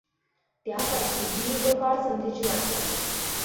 त्यासाठी दीर्घकाळ संधीची वाट पाहिली.